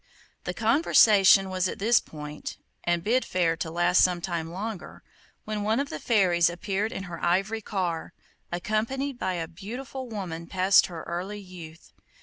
The conversation was at this point, and bid fair to last some time longer, when one of the fairies appeared in her ivory car, accompanied by a beautiful woman past her early youth.